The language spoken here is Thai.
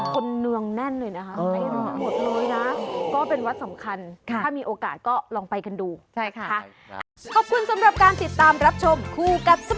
คนเหนืองแน่นเลยนะฮะ